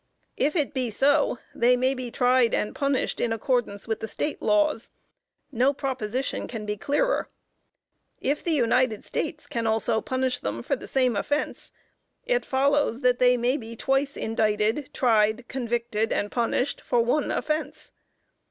If it be so, they may be tried and punished in accordance with the State laws. No proposition can be clearer. If the United States can also punish them for the same offense, it follows that they may be twice indicted, tried, convicted and punished for one offense.